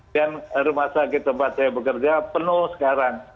dan rumah sakit tempat saya bekerja penuh sekarang